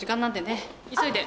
急いで。